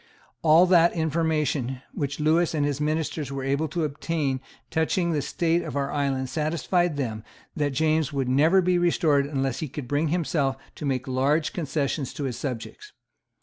All the information which Lewis and his ministers were able to obtain touching the state of our island satisfied them that James would never be restored unless he could bring himself to make large concessions to his subjects.